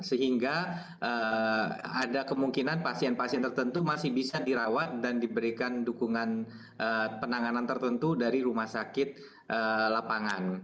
sehingga ada kemungkinan pasien pasien tertentu masih bisa dirawat dan diberikan dukungan penanganan tertentu dari rumah sakit lapangan